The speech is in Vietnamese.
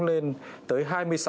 lên tới hai mươi sáu năm mươi năm